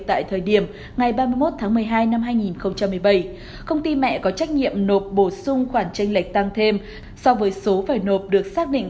tại thời điểm ngày ba mươi một tháng một mươi hai năm hai nghìn một mươi bảy công ty mẹ có trách nhiệm nộp bổ sung khoản tranh lệch tăng thêm so với số phải nộp được xác định